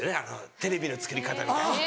テレビの作り方みたいな。